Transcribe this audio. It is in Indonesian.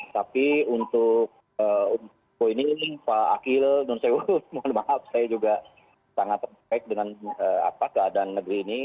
tapi untuk logo ini pak akil saya juga sangat terbaik dengan keadaan negeri ini